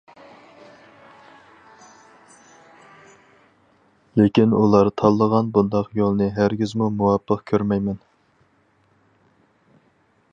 لېكىن ئۇلار تاللىغان بۇنداق يولنى ھەرگىزمۇ مۇۋاپىق كۆرمەيمەن.